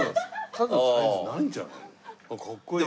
カズサイズないんじゃないの？